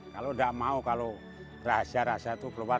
kalau tidak mau kalau rahasia rahasia itu keluar